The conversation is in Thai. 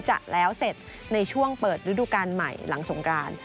จะแล้วเสร็จในช่วงเปิดฤดูการใหม่หลังสงกราน